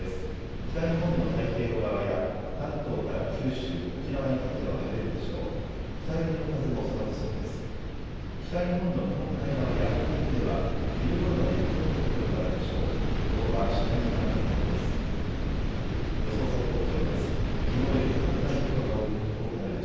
北寄りの風も収まりそうです。